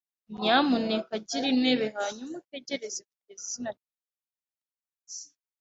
Nyamuneka gira intebe hanyuma utegereze kugeza izina ryawe ryitwa.